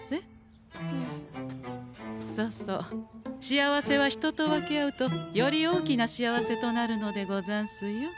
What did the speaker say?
そうそう幸せは人と分け合うとより大きな幸せとなるのでござんすよ。